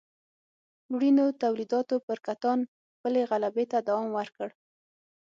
وړینو تولیداتو پر کتان خپلې غلبې ته دوام ورکړ.